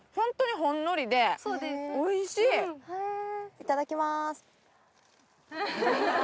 いただきます。